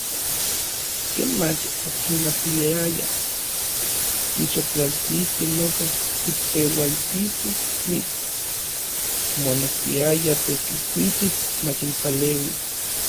Ken mach okimatiayaj kixotlaltiskej noso kipeualtiskej tlitl, omonekiaya Tetlikuiti makinpaleui.